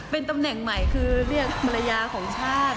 เป็นตำแหน่งใหม่คือเรียกภรรยาของชาติ